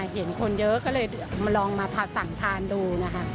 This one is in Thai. เห็นคนเยอะก็เลยมาลองมาสั่งทานดูนะคะ